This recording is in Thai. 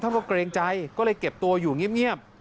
ว่าเกรงใจก็เลยเก็บตัวอยู่เงียบ